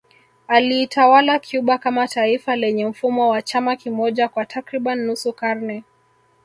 Aliitawala Cuba kama taifa lenye mfumo wa chama kimoja kwa takriban nusu karne